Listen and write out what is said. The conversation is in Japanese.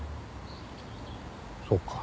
そうか。